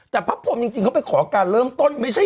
แต่พระพรมจริงเขาไปขอการเริ่มต้นไม่ใช่